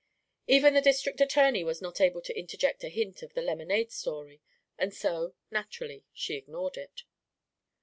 Even the district attorney was not able to interject a hint of the lemonade story, and so, naturally, she ignored it.